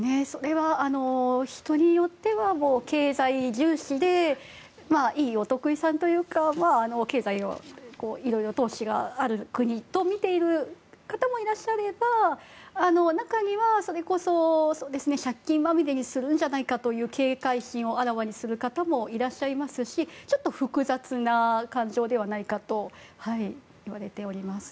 人によっては経済重視でいいお得意さんというかいろいろ投資がある国と見ている方もいらっしゃれば中には、それこそ借金まみれにするんじゃないかという警戒心をあらわにする方もいらっしゃいますしちょっと複雑な感情ではないかといわれております。